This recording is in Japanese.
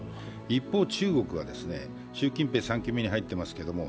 一方、中国は習近平３期目に入っていますけれども